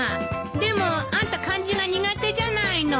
でもあんた漢字が苦手じゃないの。